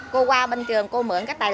cô qua bên trường cô mượn các tài liệu